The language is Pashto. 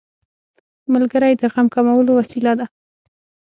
ملګری د غم کمولو وسیله ده